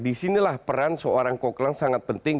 disinilah peran seorang kok klang sangat penting